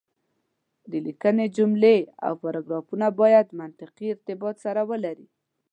د ليکنې جملې او پاراګرافونه بايد منطقي ارتباط سره ولري.